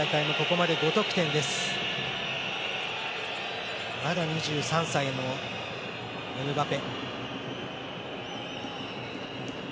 まだ２３歳のエムバペ。